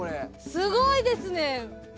すごいですね！